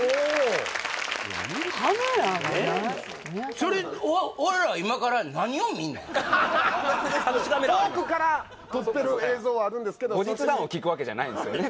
それ遠くから撮ってる映像あるんですけど後日談を聞くわけじゃないんですよね